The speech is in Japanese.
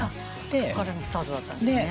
そこからのスタートだったんですね。